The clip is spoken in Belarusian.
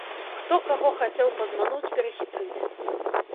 Хто каго хацеў падмануць, перахітрыць.